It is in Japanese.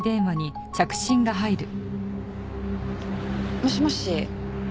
もしもし。